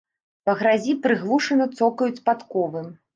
Па гразі прыглушана цокаюць падковы.